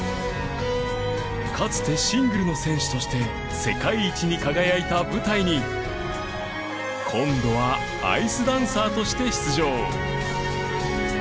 かつてシングルの選手として世界一に輝いた舞台に今度はアイスダンサーとして出場